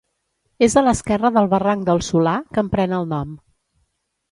És a l'esquerra del barranc del Solà, que en pren el nom.